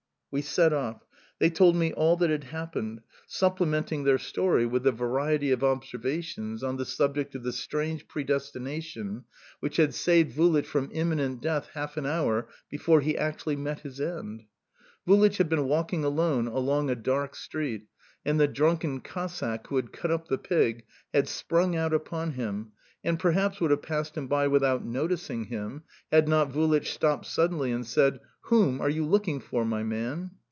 We set off. They told me all that had happened, supplementing their story with a variety of observations on the subject of the strange predestination which had saved Vulich from imminent death half an hour before he actually met his end. Vulich had been walking alone along a dark street, and the drunken Cossack who had cut up the pig had sprung out upon him, and perhaps would have passed him by without noticing him, had not Vulich stopped suddenly and said: "Whom are you looking for, my man?"